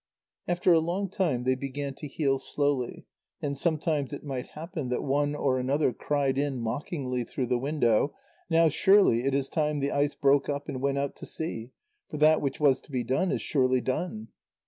After a long time they began to heal slowly, and sometimes it might happen that one or another cried in mockingly through the window: "Now surely it is time the ice broke up and went out to sea, for that which was to be done is surely done."